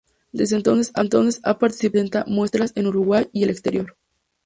Desde entonces, ha participado en más de sesenta muestras en Uruguay y el exterior.